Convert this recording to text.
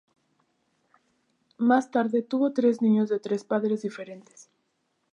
Más tarde tuvo tres niños de tres padres diferentes.